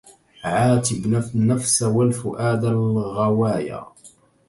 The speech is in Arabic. عاتب النفس والفؤاد الغويا